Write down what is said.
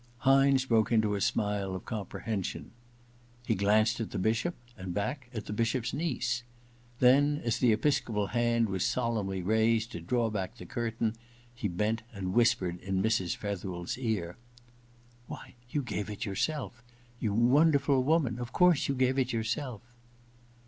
Hynes broke into a smile of comprehension. He glanced at the Bishop, and back at the Bishop's niece ; then, as the episcopal hand was solemnly raised to draw back the curtain, he bent and whispered in Mrs. Fetherel's ear :* Why, you gave it yourself ! You wonder ful woman, of course you gave it yourself